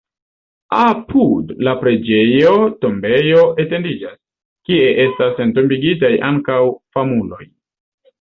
Apud la preĝejo tombejo etendiĝas, kie estas entombigitaj ankaŭ famuloj.